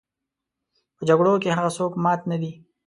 په جګړو کې هغه څوک مات نه دي.